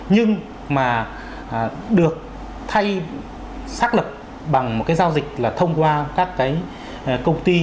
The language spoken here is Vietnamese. nhưng mà được thay xác lập bằng một cái giao dịch là thông qua các cái công ty